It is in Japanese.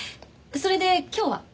それで今日は？